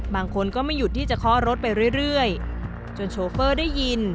บางคนก็ไม่หยุดที่จะเคาะรถไปเรื่อยจนโชเฟอร์ได้ยิน